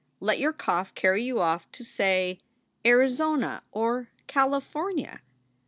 Let your cough carry you off to say, Arizona or California."